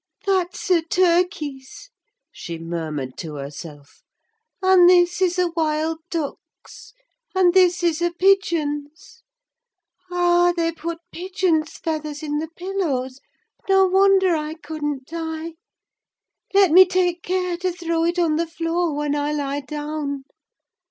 "That's a turkey's," she murmured to herself; "and this is a wild duck's; and this is a pigeon's. Ah, they put pigeons' feathers in the pillows—no wonder I couldn't die! Let me take care to throw it on the floor when I lie down.